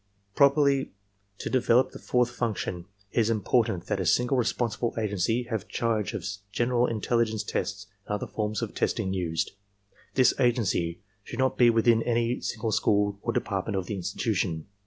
^^ Properly to develop the fourth function, it is important that a single responsible agency have charge of general intelligence tests and other forms of testing used. This agency should not be within any single school or department of the institution.